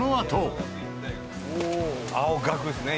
青学ですね！